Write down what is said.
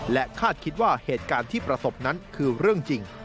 และคาดคิดว่าเหตุการณ์ที่ประสบนั้นคือเรื่องจริง